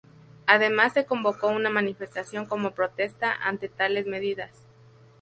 Además, se convocó una manifestación como protesta ante tales medidas.